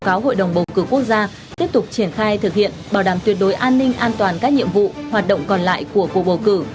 báo cáo hội đồng bầu cử quốc gia tiếp tục triển khai thực hiện bảo đảm tuyệt đối an ninh an toàn các nhiệm vụ hoạt động còn lại của cuộc bầu cử